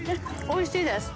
おいしいです。